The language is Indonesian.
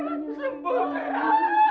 rahmat dengar rahmat